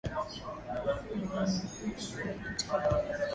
a wameibiwa kura katika baadhi